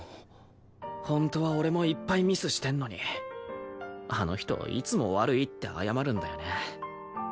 本当は俺もいっぱいミスしてんのにあの人いつも「悪い」って謝るんだよね。